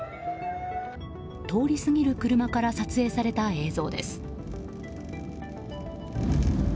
通り過ぎる車から撮影された映像です。